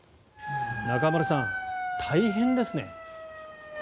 中丸さん、大変ですね。